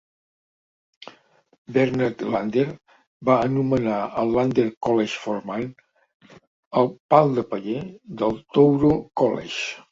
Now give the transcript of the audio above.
Bernard Lander va anomenar el Lander College for Men el "pal de paller" del Touro College.